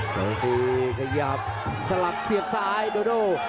พยายามที่สี่ขยับสลับเสียบซ้ายโดโด